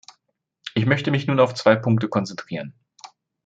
Ich möchte mich nun auf zwei Punkte konzentrieren.